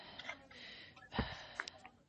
মিথ্যা কথা বলো না।